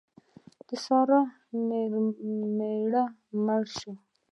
د سارې مېړه مړ شو.